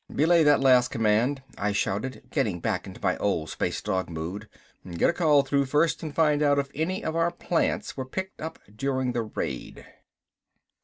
"Belay that last command," I shouted, getting back into my old space dog mood. "Get a call through first and find out if any of our plants were picked up during the raid."